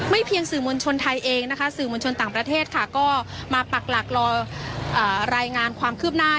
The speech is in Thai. เพียงสื่อมวลชนไทยเองนะคะสื่อมวลชนต่างประเทศค่ะก็มาปักหลักรอรายงานความคืบหน้า